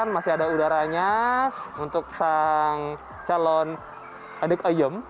masih ada udaranya untuk sang calon adik oyem